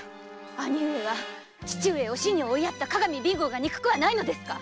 兄上は父上を死に追いやった各務備後が憎くはないのですか